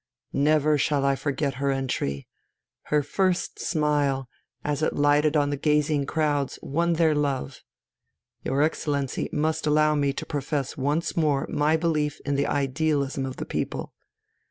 Never shall I forget her entry! Her first smile, as it lighted on the gazing crowds, won their love. Your Excellency must allow me to profess once more my belief in the idealism of the people.